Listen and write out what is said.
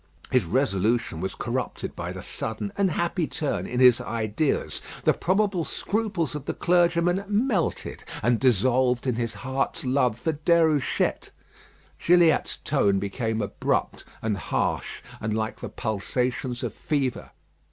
His resolution was corrupted by the sudden and happy turn in his ideas. The probable scruples of the clergyman melted, and dissolved in his heart's love for Déruchette. Gilliatt's tone became abrupt and harsh, and like the pulsations of fever.